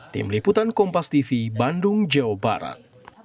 tim liputan kompas tv bandung jawa barat